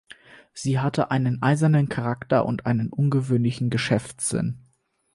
Sie hatte einen eisernen Charakter und einen ungewöhnlichen Geschäftssinn.